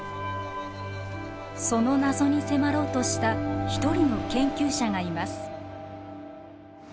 その謎に迫ろうとした一人の研究者がいます。